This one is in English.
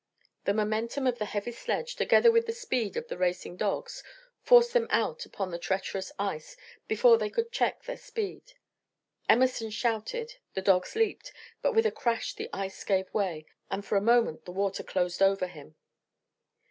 The momentum of the heavy sledge, together with the speed of the racing dogs, forced them out upon the treacherous ice before they could check their speed. Emerson shouted, the dogs leaped, but with a crash the ice gave way, and for a moment the water closed over him.